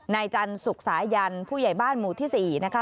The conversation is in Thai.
นายจันทร์สุขสายันผู้ใหญ่บ้านหมู่ที่๔นะคะ